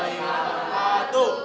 waalaikumsalam warahmatullahi wabarakatuh